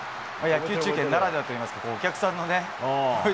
野球中継ならではといいますか、お客さんのね。